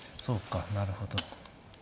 そうかなるほど。